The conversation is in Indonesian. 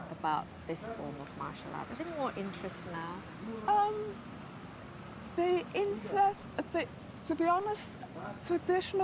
apakah kamu merasakan kepeningan di antara teman temanmu di inggris atau orang orang di eropa